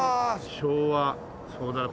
昭和そうだよ